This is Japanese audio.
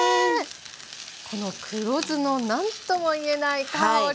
この黒酢の何ともいえない香り！